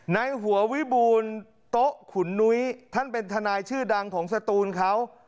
ในหัววิบูรณ์โต๊ะขุนนุ้ยท่านเป็นทนายชื่อดังของสตูนเขา